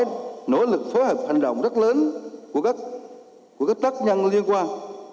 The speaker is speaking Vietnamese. của nền kinh tế đòi nỗ lực phối hợp hành động rất lớn của các tác nhân liên quan